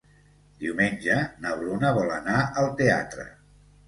Diumenge na Bruna vol anar al teatre.